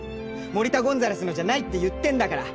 モリタゴンザレスのじゃないって言ってんだから。